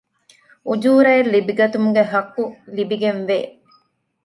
އުޖޫރައެއް ލިބިގަތުމުގެ ޙައްޤު ލިބިގެން ވޭ